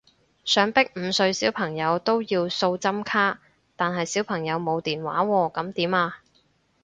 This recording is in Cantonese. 想逼五歲小朋友都要掃針卡，但係小朋友冇電話喎噉點啊？